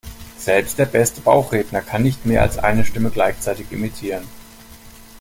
Selbst der beste Bauchredner kann nicht mehr als eine Stimme gleichzeitig imitieren.